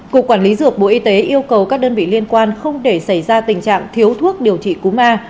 cục quản lý dược bộ y tế yêu cầu các đơn vị liên quan không để xảy ra tình trạng thiếu thuốc điều trị cú ma